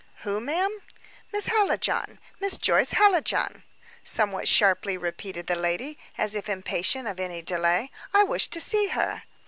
"Who, ma'am?" "Miss Hallijohn; Miss Joyce Hallijohn," somewhat sharply repeated the lady, as if impatient of any delay. "I wish to see her."